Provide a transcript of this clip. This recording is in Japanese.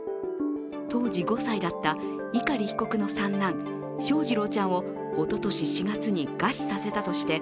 当時５歳だった碇被告の三男、翔士郎ちゃんをおととし４月に餓死させたとして